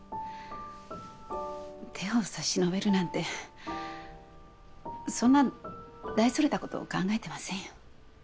手を差し伸べるなんてそんな大それたこと考えてませんよ。